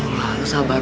lo harus sabar